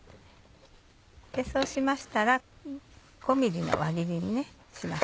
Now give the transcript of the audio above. そうしましたら５ｍｍの輪切りにします。